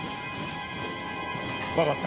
わかった。